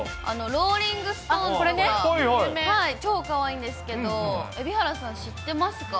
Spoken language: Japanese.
ローリングストーンズとか超かわいいんですけど、蛯原さん、知ってますか？